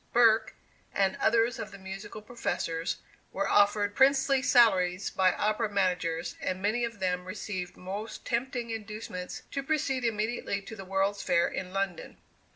Burke, and others of the musical professors, were offered princely salaries by opera managers, and many of them received most tempting inducements to proceed immediately to the World's Fair in London.